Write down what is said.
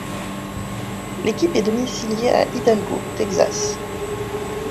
L'équipe est domiciliée à Hidalgo, Texas.